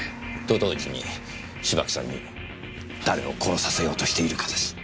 と同時に芝木さんに誰を殺させようとしているかです。